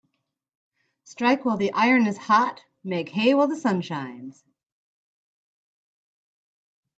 Strike while the iron is hot Make hay while the sun shines